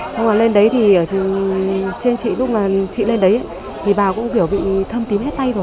xong rồi lên đấy thì trên chị lúc mà chị lên đấy thì bà cũng kiểu bị thâm tím hết tay rồi